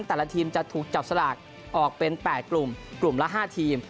แต่ละทีมจะถูกจับสลากออกเป็น๘กลุ่มกลุ่มละ๕ทีม